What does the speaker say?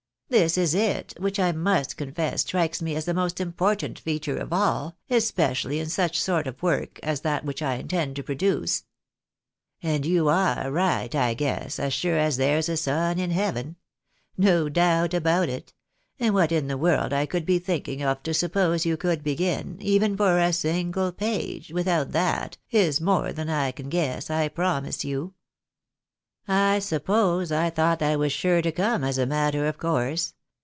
This is it, which I must confess strikes me as the most important feature of all, especially in such sort of work as that which I intend to produce." " And you are right, I guess, as sure as there's a sun in heaven. No doubt about it ; and what in the world I could be thinking of to suppose you could begin, even for a single page, without that, is more than I can guess, I promise you. I suppose I thought that was sure to come as a matter of course.